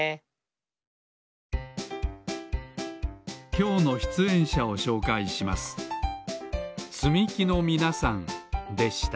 きょうのしゅつえんしゃをしょうかいしますでした